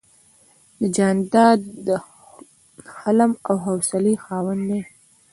جانداد د حلم او حوصلې خاوند دی.